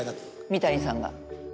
三谷さんが。